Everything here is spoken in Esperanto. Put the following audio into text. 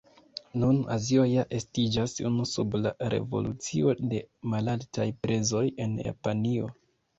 Nun Azio ja estiĝas unu sub la revolucio de malaltaj prezoj en Japanio.